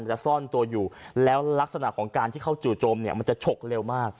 จะซ่อนตัวอยู่แล้วลักษณะของการที่เขาจู่โจมเนี่ยมันจะฉกเร็วมาก